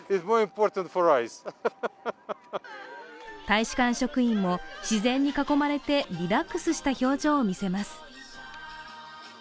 大使館職員も自然に囲まれてリラックスした表情を見せます。